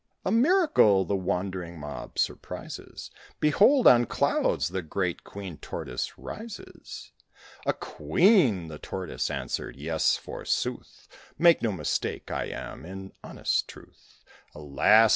"A miracle!" the wondering mob surprises: "Behold, on clouds the great Queen Tortoise rises!" "A queen!" the Tortoise answered; "yes, forsooth; Make no mistake I am in honest truth." Alas!